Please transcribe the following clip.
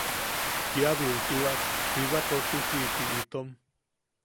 Kia biutiwak jiba tosisiʼiti itom.